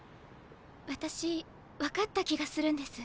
私分かった気がするんです。